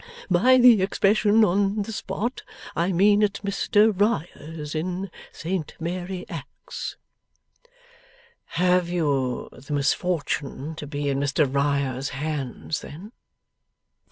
By the expression, on the spot, I mean at Mr Riah's in Saint Mary Axe.' 'Have you the misfortune to be in Mr Riah's hands then?